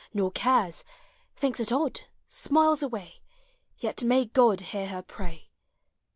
nor cares; Thinks it odd, Smiles away; Yet may (Sod Hear her pray!